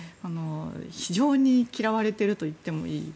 非常に嫌われていると言ってもいい。